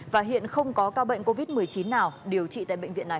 và hiện không có ca bệnh covid một mươi chín nào điều trị tại bệnh viện này